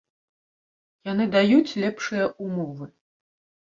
Яны даюць лепшыя ўмовы.